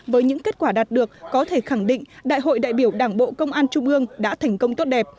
với những kết quả đạt được có thể khẳng định đại hội đại biểu đảng bộ công an trung ương đã thành công tốt đẹp